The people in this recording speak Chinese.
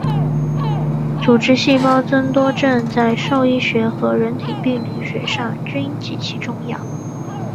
组织细胞增多症在兽医学和人体病理学上均极其重要。